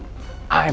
i promise pangeran